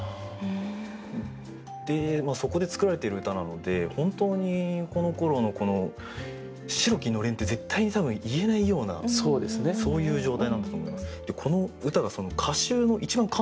でそこで作られている歌なので本当にこのころの「白きのれん」って絶対に多分言えないようなそういう状態なんだと思います。